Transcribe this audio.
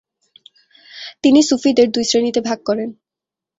তিনি সুফিদের দুই শ্রেণিতে ভাগ করেন।